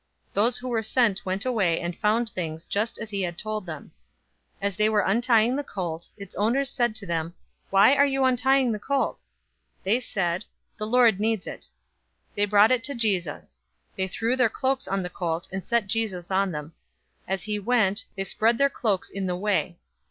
'" 019:032 Those who were sent went away, and found things just as he had told them. 019:033 As they were untying the colt, the owners of it said to them, "Why are you untying the colt?" 019:034 They said, "The Lord needs it." 019:035 They brought it to Jesus. They threw their cloaks on the colt, and set Jesus on them. 019:036 As he went, they spread their cloaks in the way.